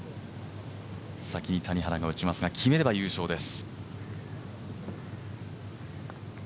先に谷原が打ちますが決めれば優勝です。